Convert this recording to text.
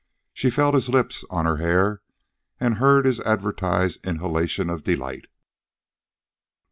She felt his lips on her hair and heard his advertised inhalation of delight.